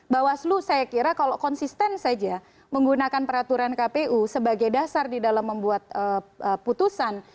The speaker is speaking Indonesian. bawaslu saya kira kalau konsisten saja menggunakan peraturan kpu sebagai dasar di dalam membuat putusan